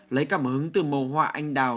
lấy cảm hứng từ màu hoa anh đào